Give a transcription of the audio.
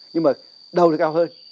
nhưng mà đầu nó cao hơn